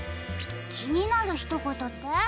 きになるひとことって？